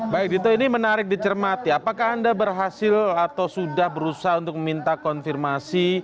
baik dito ini menarik dicermati apakah anda berhasil atau sudah berusaha untuk meminta konfirmasi